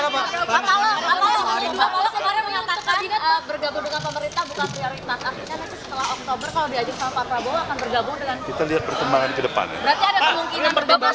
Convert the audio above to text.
pak prabowo sebenarnya mengatakan bergabung dengan pemerintah bukan prioritas